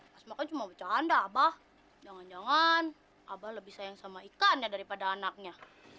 bercanda abah jangan jangan abah lebih sayang sama ikannya daripada anaknya